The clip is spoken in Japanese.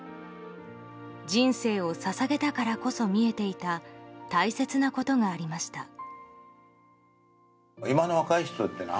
人生をささげたからこそ見えていた大切なことがありました。